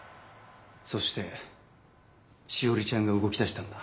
そして詩織ちゃんが動きだしたんだ。